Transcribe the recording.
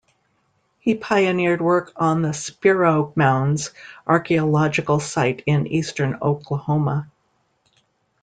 He pioneered work on the Spiro Mounds archaeological site in eastern Oklahoma.